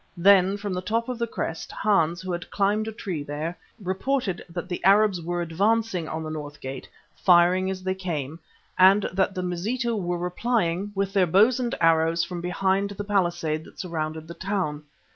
Then from the top of the crest, Hans, who had climbed a tree there, reported that the Arabs were advancing on the north gate, firing as they came, and that the Mazitu were replying with their bows and arrows from behind the palisade that surrounded the town.